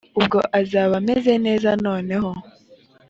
ubwo azaba ameze neza noneho